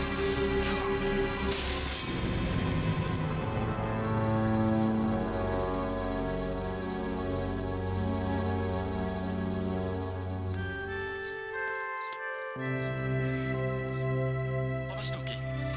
pak mas duki